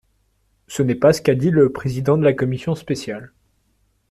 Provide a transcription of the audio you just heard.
Ce n’est pas ce qu’a dit le président de la commission spéciale.